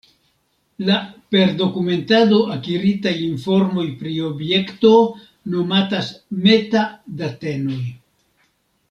La per dokumentado akiritaj informoj pri objekto nomatas meta-datenoj.